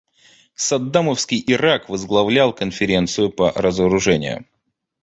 Саддамовский Ирак возглавлял Конференцию по разоружению.